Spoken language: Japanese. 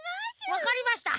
わかりました。